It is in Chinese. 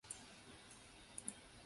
铃木汽车为本届赛事的赞助商。